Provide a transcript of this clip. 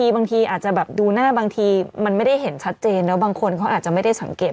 บางทีอาจจะแบบดูหน้าบางทีมันไม่ได้เห็นชัดเจนแล้วบางคนเขาอาจจะไม่ได้สังเกต